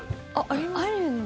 あるんだ。